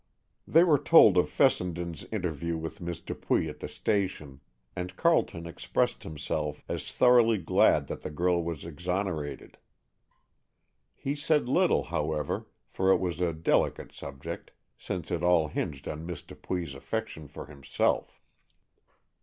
They were told of Fessenden's interview with Miss Dupuy at the station, and Carleton expressed himself as thoroughly glad that the girl was exonerated. He said little, however, for it was a delicate subject, since it all hinged on Miss Dupuy's affection for himself.